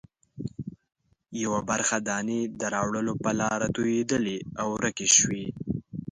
یوه برخه دانې د راوړلو په لاره توېدلې او ورکې شوې.